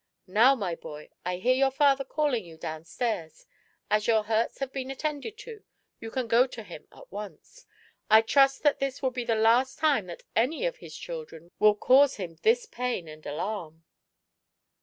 Now, my boy, I hear your father calling you down stairs ; as your hurts have been attended to, you can go to him at once. I trust that this will be the last time that any of his children will cause him this pain and alarm.'